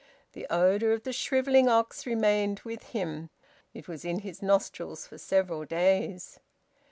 The odour of the shrivelling ox remained with him; it was in his nostrils for several days.